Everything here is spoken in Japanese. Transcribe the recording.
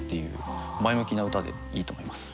前向きな歌でいいと思います。